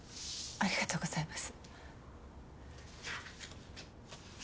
ありがとうございます。